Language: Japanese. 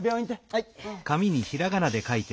はい。